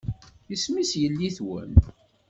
Isem-is yelli-twen?